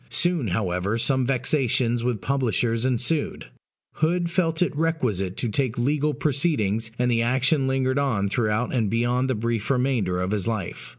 Soon, however, some vexations with publishers ensued: Hood felt it requisite to take legal proceedings, and the action lingered on throughout and beyond the brief remainder of his life.